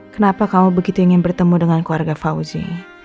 kenapa kamu begitu ingin bertemu dengan keluarga fauzi